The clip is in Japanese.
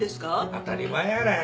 当たり前やない。